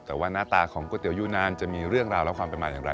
แต่ว่าหน้าตาของก๋วเตี๋ยูนานจะมีเรื่องราวและความเป็นมาอย่างไร